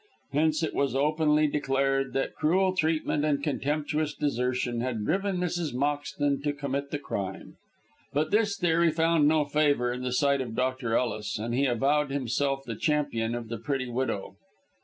Hence it was openly declared that cruel treatment and contemptuous desertion had driven Mrs. Moxton to commit the crime. But this theory found no favour in the sight of Dr. Ellis, and he avowed himself the champion of the pretty widow.